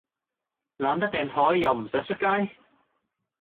懶得訂枱又唔想出街?